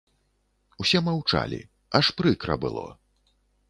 Усе маўчалі, аж прыкра было.